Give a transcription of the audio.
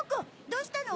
どうしたの？